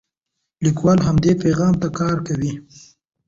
لیکوال همدې پیغام ته کار کوي.